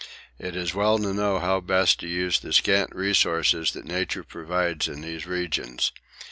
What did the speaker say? It is very well to know how best to use the scant resources that nature provides in these regions.